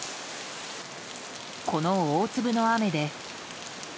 この大粒の雨で。